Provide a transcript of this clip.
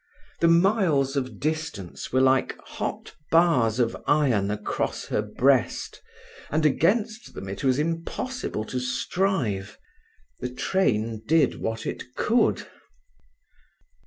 The miles of distance were like hot bars of iron across her breast, and against them it was impossible to strive. The train did what it could.